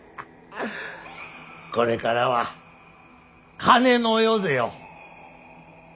これからは金の世ぜよ。